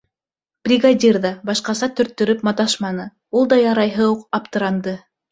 Бригадир ҙа башҡаса төрттөрөп маташманы, ул да ярайһы уҡ аптыранды.